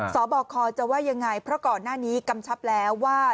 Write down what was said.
บคจะว่ายังไงเพราะก่อนหน้านี้กำชับแล้วว่า